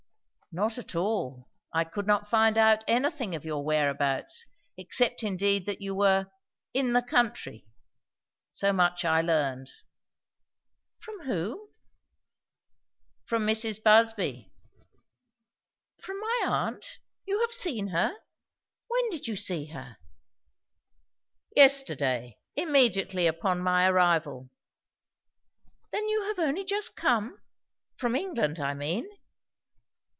"Not at all. I could not find out anything of your whereabouts; except indeed that you were 'in the country.' So much I learned." "From whom?" "From Mrs. Busby." "From my aunt! You have seen her! When did you see her?" "Yesterday; immediately upon my arrival." "Then you have only just come? From England, I mean."